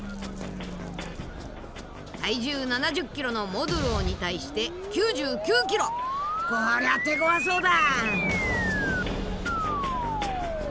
体重７０ｋｇのモドゥローに対して９９ｋｇ！こりゃ手ごわそうだ。